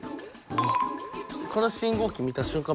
うわっこの信号機見た瞬間